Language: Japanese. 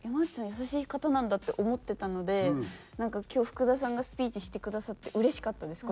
優しい方なんだって思ってたのでなんか今日福田さんがスピーチしてくださってうれしかったです